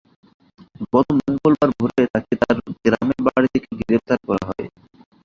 গত মঙ্গলবার ভোরে তাঁকে তাঁর গ্রামের বাড়ি থেকে গ্রেপ্তার করা হয়।